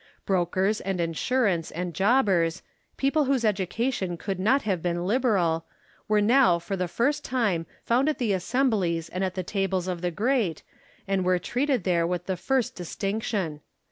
Brokers and insurers and jobbers, people whose education could not have been liberal, were now for the first time found at the assemblies and at the tables of the great, and were treated there with the first distinction.